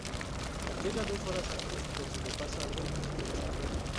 Llega dos horas antes por si le pasa algo a su coche.